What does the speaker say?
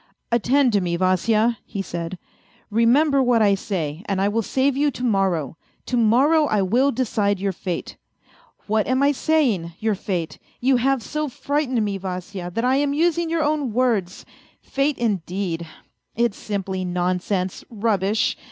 " Attend to me, Vasya," he said, " remember what I say, and I will save you to morrow ; to morrow I will decide your fate ! What am I saying, your fate ? You have so frightened me, Vasya, that I am using your own words. Fate, indeed ! It's simply nonsense, rubbish